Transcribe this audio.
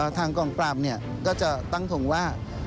ทางกลางกลางก็จะตั้งถึงว่า